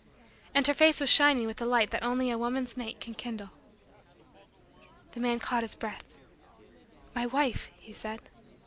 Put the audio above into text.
And her face was shining with the light that only a woman's mate can kindle. The man caught his breath. "My wife," he said.